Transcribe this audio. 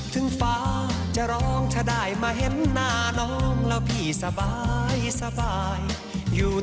ฟ้าจะร้องจะได้มาเห็นหน้าน้องแล้วพี่สบายอยู่